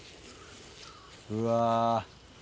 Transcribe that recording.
うわ。